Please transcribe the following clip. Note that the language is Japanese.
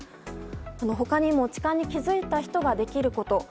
他にも痴漢に気づいた人ができること。